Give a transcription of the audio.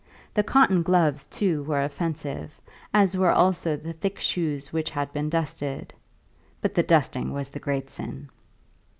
The cotton gloves too were offensive, as were also the thick shoes which had been dusted; but the dusting was the great sin.